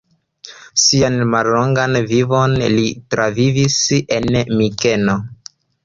Sian mallongan vivon li travivis en Mikeno.